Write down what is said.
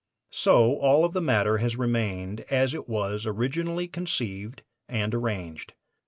So all of the matter has remained as it was originally conceived and arranged.